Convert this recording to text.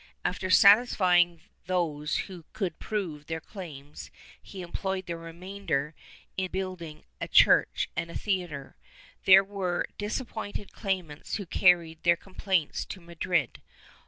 After satisfying those who could prove their claims, he employed the remainder in building a church and a theatre. There were disappointed claimants who carried their complaints to Madrid.